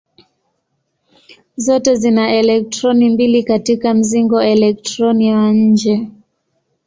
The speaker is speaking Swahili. Zote zina elektroni mbili katika mzingo elektroni wa nje.